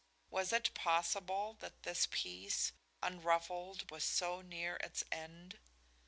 Was it possible that this peace, unruffled, was so near its end?